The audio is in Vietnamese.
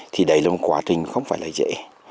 thì đấy là một quá trình không phải là dễ